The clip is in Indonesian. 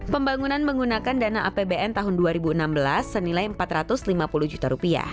pembangunan menggunakan dana apbn tahun dua ribu enam belas senilai rp empat ratus lima puluh juta